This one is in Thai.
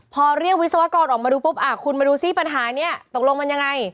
พอเรียกวิศวกรออกมาดูปุ๊บคุณมาดูซิปัญหานี้ตกลงมันยังไง